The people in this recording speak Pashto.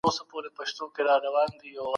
هیوادونه نړیوالي اړیکي بې له ګټو نه نه تعقیبوي.